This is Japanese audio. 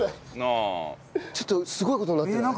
ちょっとすごい事になってない？